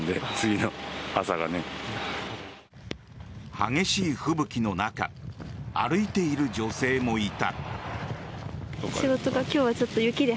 激しい吹雪の中歩いている女性もいた。